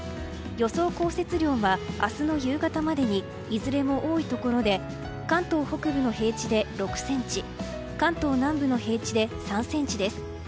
予想降雪量は、明日の夕方までにいずれも多いところで関東北部の平地で６ｃｍ関東南部の平地で３ｃｍです。